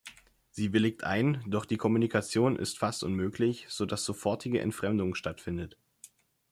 Sie willigt ein, doch die Kommunikation ist fast unmöglich, so dass sofortige Entfremdung stattfindet.